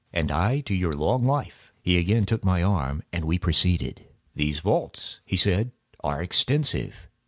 "And I to your long life." He again took my arm, and we proceeded. "These vaults," he said, "are extensive."